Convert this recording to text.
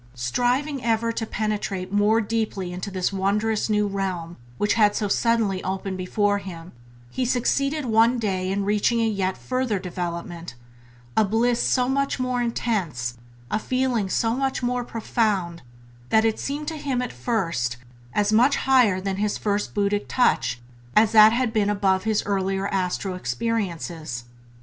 Striving ever to penetrate more deeply into this wondrous new realm which had so suddenly opened before him, he succeeded one day in reaching a yet further development — a bliss so much more intense, a feeling so much more profound, that it seemed to him at first as much higher than his first buddhic touch as that had been above his earlier astral experiences.